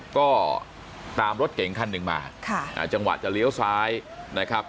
ก็ตามรถเก่งคันหนึ่งมาจังหวะจะเลี้ยวซ้ายนะครับ